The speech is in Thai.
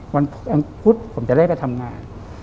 วันอังพุธผมจะได้ไปทำงาน